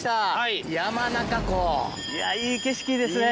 いい景色ですね。